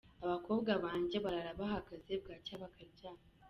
Abakobwa banjye barara bahagaze bwacya bakaryama .